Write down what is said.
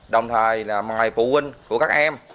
đồng thời mời phụ huynh của các em